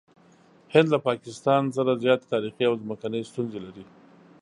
هند له پاکستان سره زیاتې تاریخي او ځمکني ستونزې لري.